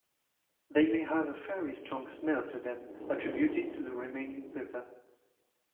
They may have a fairly strong smell to them, attributed to the remaining pupa.